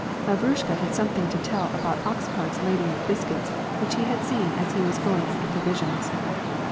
Lavrushka had something to tell about ox carts laden with bis cuits which he had seen as he was going after provisions.